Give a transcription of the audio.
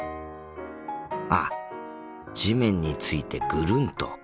あっ地面に着いてぐるんと。